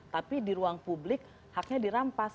tapi di ruang publik haknya dirampas